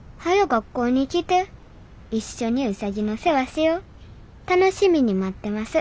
学校に来ていっしょにウサギの世話しよ楽しみに待ってます。